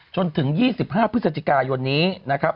จนถึง๒๕พฤศจิกายนนี้นะครับ